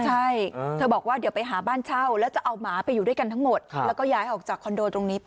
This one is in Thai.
ใช่เธอบอกว่าเดี๋ยวไปหาบ้านเช่าแล้วจะเอาหมาไปอยู่ด้วยกันทั้งหมดแล้วก็ย้ายออกจากคอนโดตรงนี้ไป